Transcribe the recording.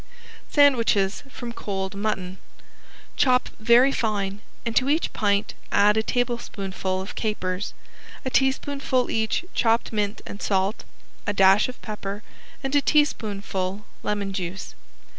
~SANDWICHES FROM COLD MUTTON~ Chop very fine, and to each pint add a tablespoonful of capers, a teaspoonful each chopped mint and salt, a dash of pepper, and a teaspoonful lemon juice.